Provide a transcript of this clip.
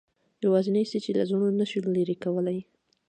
یوازینۍ څه چې له زړونو نه شو لرې کولای.